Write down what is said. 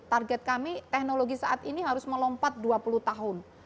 target kami teknologi saat ini harus melompat dua puluh tahun